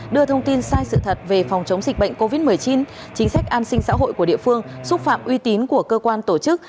đưa thông tin sai sự thật về phòng chống dịch bệnh covid một mươi chín chính sách an sinh xã hội của địa phương xúc phạm uy tín của cơ quan tổ chức